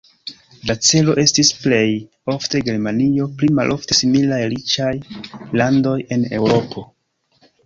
La celo estis plej ofte Germanio, pli malofte similaj riĉaj landoj en Eŭropo.